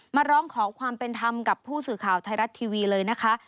มาร้องขอความเป็นธรรมกับผู้สื่อข่าวไทยรัฐทีวีเลยนะคะ